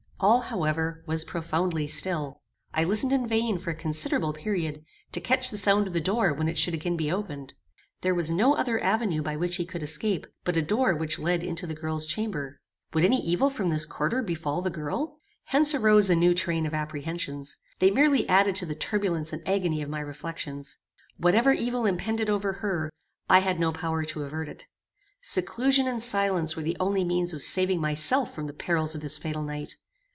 All, however, was profoundly still. I listened in vain for a considerable period, to catch the sound of the door when it should again be opened. There was no other avenue by which he could escape, but a door which led into the girl's chamber. Would any evil from this quarter befall the girl? Hence arose a new train of apprehensions. They merely added to the turbulence and agony of my reflections. Whatever evil impended over her, I had no power to avert it. Seclusion and silence were the only means of saving myself from the perils of this fatal night.